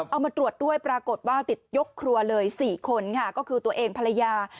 เอามาตรวจด้วยปรากฏว่าติดยกครัวเลย๔คนค่ะก็คือตัวเองภรรยา